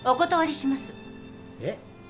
えっ？